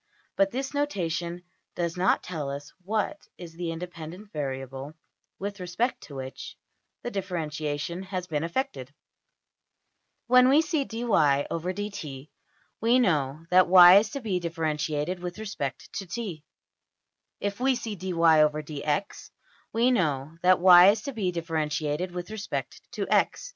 But this notation does not tell us what is the independent variable with respect to which the differentiation has been effected. When we see $\dfrac{dy}{dt}$ we know that $y$ is to be differentiated with respect to~$t$. If we see $\dfrac{dy}{dx}$ we know that $y$ is to be differentiated with respect to~$x$.